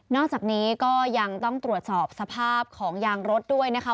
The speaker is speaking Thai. อกจากนี้ก็ยังต้องตรวจสอบสภาพของยางรถด้วยนะคะ